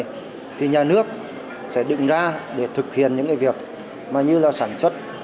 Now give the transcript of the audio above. nhà nước sẽ đựng ra để thực hiện những việc như sản xuất